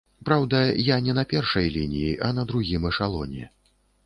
Праўда, я не на першай лініі, а на другім эшалоне.